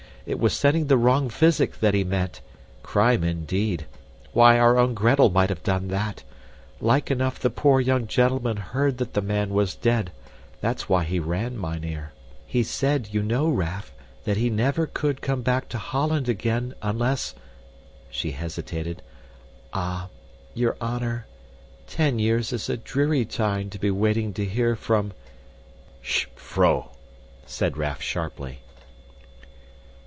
It was sending the wrong physic that he meant. Crime indeed! Why, our own Gretel might have done that! Like enough the poor young gentleman heard that the man was dead that's why he ran, mynheer. He said, you know, Raff, that he never could come back to Holland again, unless" she hesitated "ah, your honor, ten years is a dreary time to be waiting to hear from " "Hist, vrouw!" said Raff sharply.